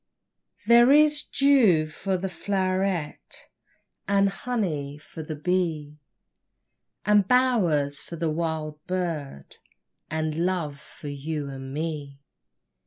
There is dew for the flow'ret And honey for the bee, And bowers for the wild bird, And love for you and me.